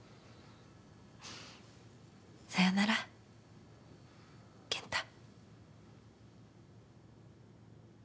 さようなら健太。